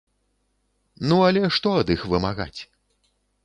Ну, але што ад іх вымагаць?